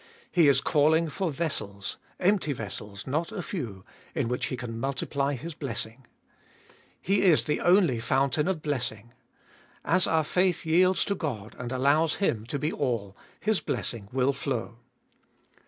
He is calling for vessels, empty vessels not a few, in which He can multiply his blessing. Fie is the only fountain of blessing; as our faith yields to God, 456 ttbe ibotiest of Bll and allows Him to be all, His blessing will flow.